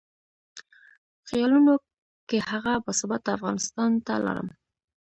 خیالونو کې هغه باثباته افغانستان ته لاړم.